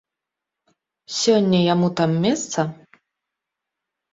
Сёння яму там месца?